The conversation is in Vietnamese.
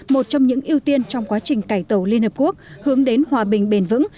một trong những ưu tiên trong quá trình cải tổ liên hợp quốc hướng đến hòa bình bền vững